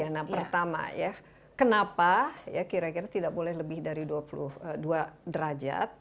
nah pertama ya kenapa ya kira kira tidak boleh lebih dari dua puluh dua derajat